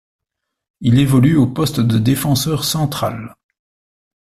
Il évolue au poste de défenseur central.